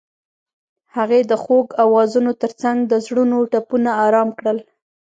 هغې د خوږ اوازونو ترڅنګ د زړونو ټپونه آرام کړل.